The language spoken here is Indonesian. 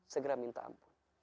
segera minta ampun